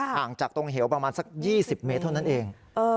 ห่างจากตรงเหวประมาณสัก๒๐เมตรเท่านั้นเอง